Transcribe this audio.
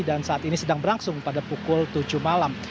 dan saat ini sedang berlangsung pada pukul tujuh malam